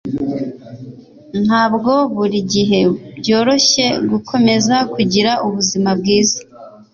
Ntabwo buri gihe byoroshye gukomeza kugira ubuzima bwiza